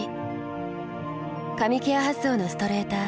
髪ケア発想のストレーター。